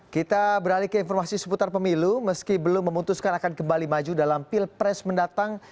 kita beralih ke informasi seputar pemilu meski belum memutuskan akan kembali maju dalam pilpres mendatang